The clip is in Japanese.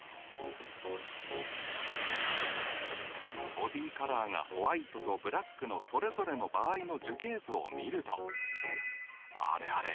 ボディカラーがホワイトとブラックのそれぞれの場合の樹形図を見るとあれあれ？